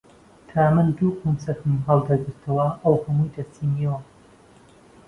تا من دوو قونچکم هەڵدەگرتەوە، ئەو هەمووی دەچنینەوە